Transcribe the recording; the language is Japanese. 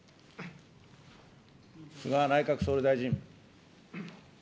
菅内閣総理大臣。